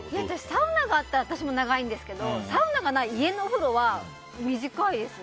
サウナとかがあったらあるんですけどサウナがない家のお風呂は短いですね。